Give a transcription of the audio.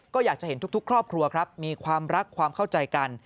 ก็อยากจะเห็นทุกครอบครัวครับมีความรักความเข้าใจกัน